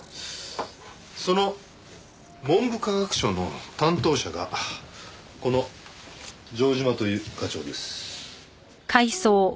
その文部科学省の担当者がこの城島という課長です。